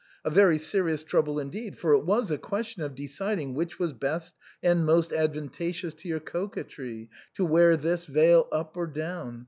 A very serious trouble indeed, for it was a question of deciding which was best and most advanta» geous to your coquetry, to wear this veil up or down.